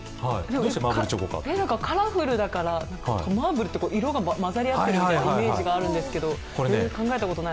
カラフルだから、マーブルって色が混ざり合っているっていうイメージがあるんですけど、考えたことない。